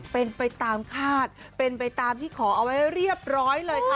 เป็นไปตามคาดเป็นไปตามที่ขอเอาไว้เรียบร้อยเลยค่ะ